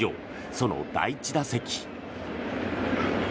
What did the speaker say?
その第１打席。